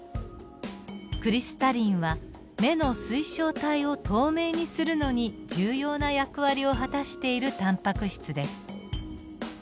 クリスタリンは目の水晶体を透明にするのに重要な役割を果たしているタンパク質です。